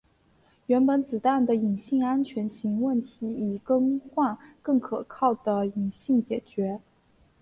原本子弹的引信安全型问题以更换更可靠的引信解决。